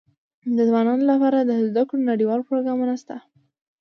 د ځوانانو لپاره د زده کړو نړيوال پروګرامونه سته.